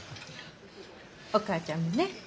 お母ちゃんもね